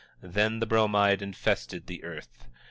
Then the Bromide infested the earth.